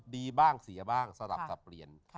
ดีบ้างเสียบ้างสลับสับเปลี่ยน